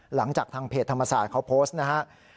หลังจากทางเพจธรรมศาสตร์เขาโพสต์นะครับ